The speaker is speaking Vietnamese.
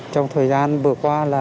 trong thời gian vừa qua là